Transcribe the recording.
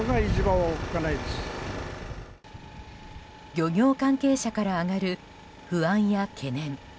漁業関係者から上がる不安や懸念。